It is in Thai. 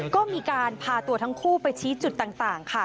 ก็มีการพาตัวทั้งคู่ไปชี้จุดต่างค่ะ